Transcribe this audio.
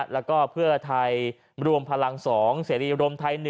แล้วถ่ายรวมพลัง๒เสรียรมไทย๑